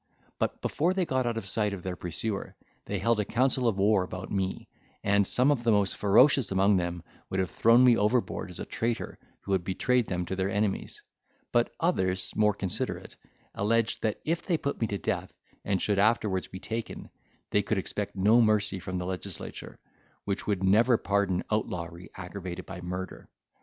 But, before they got out of sight of their pursuer, they held a council of war about me, and some of the most ferocious among them would have thrown me overboard as a traitor who had betrayed them to their enemies; but others, more considerate, alleged, that if they put me to death, and should afterwards be taken, they could expect no mercy from the legislature, which would never pardon outlawry aggravated by murder.